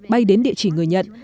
bay đến địa chỉ người nhận